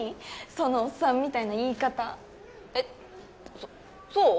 そのおっさんみたいな言い方えっそそう？